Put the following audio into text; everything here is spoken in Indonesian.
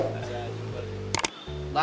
saya juga deh